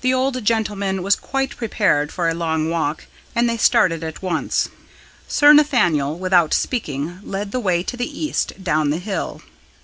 The old gentleman was quite prepared for a long walk, and they started at once. Sir Nathaniel, without speaking, led the way to the east, down the hill.